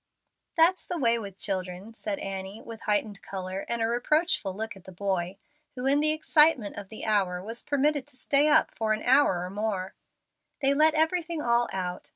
"That's the way with children," said Annie, with heightened color and a reproachful look at the boy, who in the excitement of the hour was permitted to stay up for an hour or more; "they let everything all out.